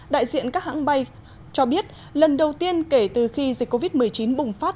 đại diện các hãng bay cho biết lần đầu tiên kể từ khi dịch covid một mươi chín bùng phát